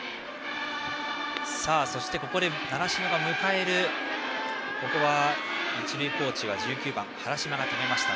そしてここで習志野が迎えるここは一塁コーチ１９番、原島が迎えました。